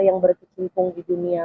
yang bertumpung di dunia